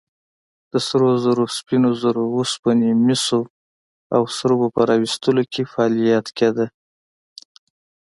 د سرو زرو، سپینو زرو، اوسپنې، مسو او سربو په راویستلو کې فعالیت کېده.